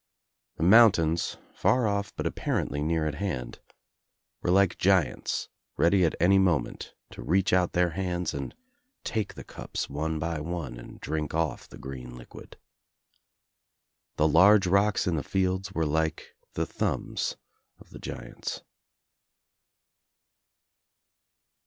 The mountains, far off but apparently near at hand, were like giants ready at any moment to reach out their hands and take the cups one by one and drink off the green liquid. The large rocks in the fields were like the thumbs of the giants.